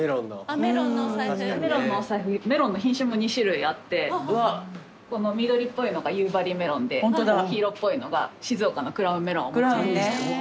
メロンのお財布メロンの品種も２種類あってこの緑っぽいのが夕張メロンで黄色っぽいのが静岡のクラウンメロンをモチーフに。